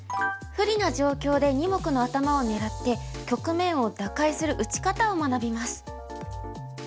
不利な状況で二目の頭を狙って局面を打開する打ち方を学びます。